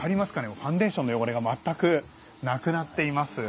ファンデーションの汚れが全くなくなっています。